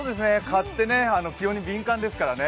蚊って気温に敏感ですからね。